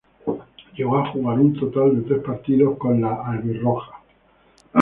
Llegó a jugar un total de tres partidos con la "Albirroja".